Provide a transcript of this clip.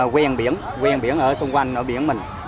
quen biển quen biển ở xung quanh ở biển mình